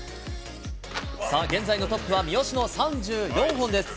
さあ、現在のトップは、三好の３４本です。